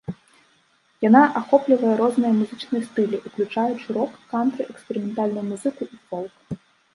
Яна ахоплівае розныя музычныя стылі, уключаючы рок, кантры, эксперыментальную музыку і фолк.